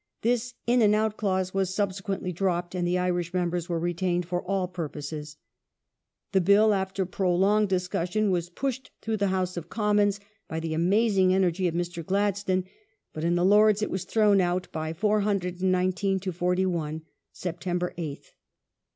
This " in and out " clause was sub sequently dropped, and the Irish members were retained for all purposes. The Bill, after prolonged discussion, was pushed through the House of Commons by the amazing energy of Mr. Gladstone, but in the Lords it was thrown out by 419 to 41 (Sept. 8th).